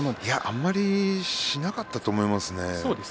あまりしなかったと思いますね。